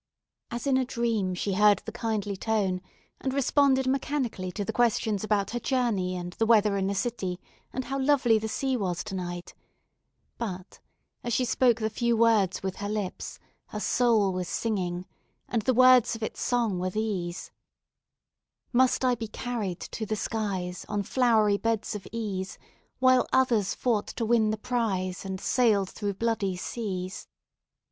As in a dream she heard the kindly tone, and responded mechanically to the questions about her journey and the weather in the city, and how lovely the sea was to night; but, as she spoke the few words with her lips, her soul was singing, and the words of its song were these: "Must I be carried to the skies On flowery beds of ease, While others fought to win the prize And sailed through bloody seas?"